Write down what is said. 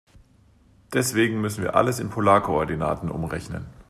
Deswegen müssen wir alles in Polarkoordinaten umrechnen.